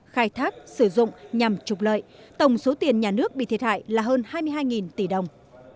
khai thác sử dụng nhằm trục lợi tổng số tiền nhà nước bị thiệt hại là hơn hai mươi hai tỷ đồng